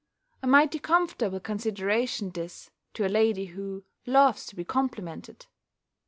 A mighty comfortable consideration this, to a lady who loves to be complimented!